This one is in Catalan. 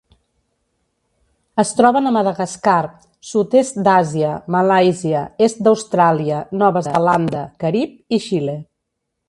Es troben a Madagascar, sud-est d'Àsia, Malàisia, est d'Austràlia, Nova Zelanda, Carib i Xile.